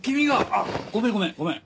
あっごめんごめんごめん。